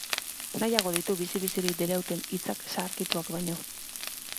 Nahiago ditu bizi-bizirik dirauten hitzak zaharkituak baino.